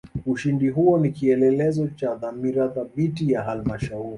ushindi huo ni kieelezo cha dhamira thabiti ya halmashauri